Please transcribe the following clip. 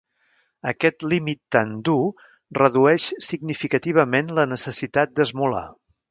Aquest límit tant dur redueix significativament la necessitat d'esmolar.